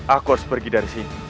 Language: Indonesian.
aku harus pergi dari sini